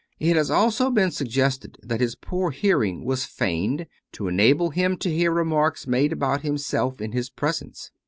It has also been suggested that his poor hearing was feigned, to enable him to hear remarks made about himself in his presence.